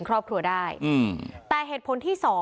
ในอำเภอศรีมหาโพธิ์จังหวัดปลาจีนบุรี